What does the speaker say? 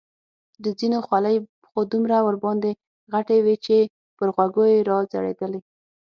د ځینو خولۍ خو دومره ورباندې غټې وې چې پر غوږو یې را ځړېدلې.